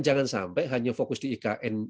jangan sampai hanya fokus di ikn